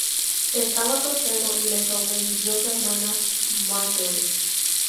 Estaba soltero, y le sobrevivió su hermana, Marjorie.